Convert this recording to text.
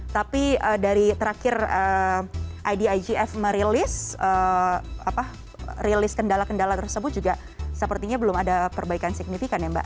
tapi dari terakhir idigf merilis rilis kendala kendala tersebut juga sepertinya belum ada perbaikan signifikan ya mbak